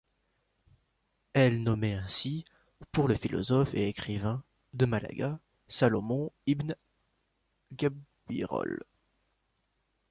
Elle nommé ainsi pour le philosophe et écrivain de Malaga, Salomon ibn Gabirol.